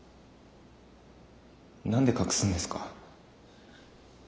何で隠すんですか？